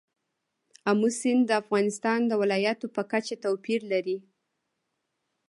آمو سیند د افغانستان د ولایاتو په کچه توپیر لري.